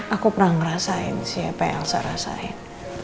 aku pernah ngerasain siapa yang saya rasain